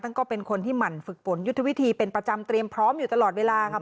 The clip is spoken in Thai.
ก็เป็นคนที่หมั่นฝึกฝนยุทธวิธีเป็นประจำเตรียมพร้อมอยู่ตลอดเวลาค่ะ